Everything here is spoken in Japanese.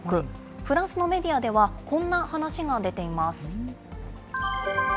フランスのメディアでは、こんな話が出ています。